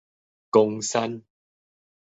岡山